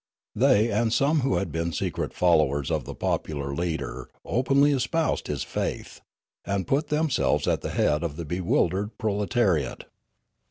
They and some who had been secret followers of the popular leader openly espoused his faith, and put them selves at the head of the bewildered proletariat.